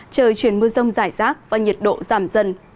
trời chuyển mưa rông rải rác và nhiệt độ giảm dần